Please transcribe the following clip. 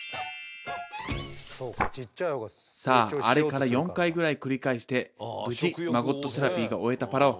さああれから４回ぐらい繰り返して無事マゴットセラピーが終えたパラオ。